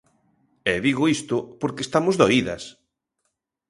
E digo isto porque estamos doídas.